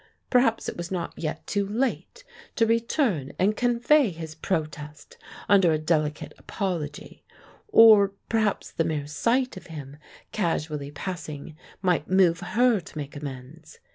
Perhaps it was not yet too late to return and convey his protest under a delicate apology; or perhaps the mere sight of him, casually passing, might move her to make amends.